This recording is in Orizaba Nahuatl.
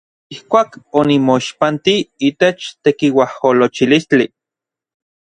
Ijkuak onimoixpantij itech tekiuajolocholistli.